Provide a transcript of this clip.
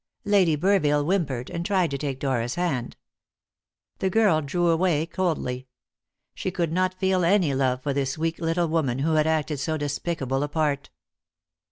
Lady Burville whimpered, and tried to take Dora's hand. The girl drew away coldly. She could not feel any love for this weak little woman, who had acted so despicable a part.